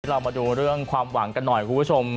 เรามาดูเรื่องความหวังกันหน่อยคุณผู้ชม